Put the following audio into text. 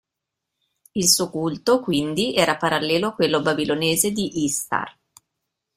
Il suo culto, quindi, era parallelo a quello babilonese di Ištar.